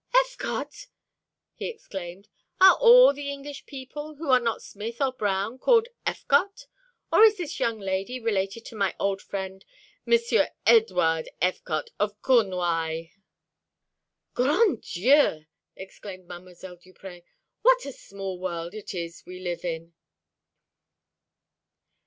"Effecotte!" he exclaimed; "are all the English people, who are not Smith or Brown, called Effecotte? Or is this young lady related to my old friend M. Edouard Effecotte, of Cornouailles?" "Grand Dieu," exclaimed Mdlle. Duprez, "what a small world it is we live in!"